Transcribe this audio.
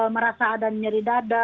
merasa ada nyeri dada